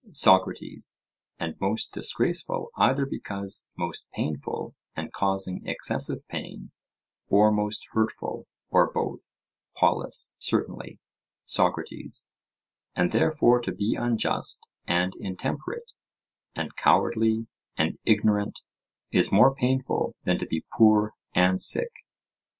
SOCRATES: And most disgraceful either because most painful and causing excessive pain, or most hurtful, or both? POLUS: Certainly. SOCRATES: And therefore to be unjust and intemperate, and cowardly and ignorant, is more painful than to be poor and sick?